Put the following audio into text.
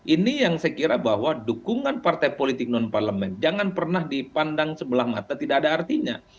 ini yang saya kira bahwa dukungan partai politik non parlemen jangan pernah dipandang sebelah mata tidak ada artinya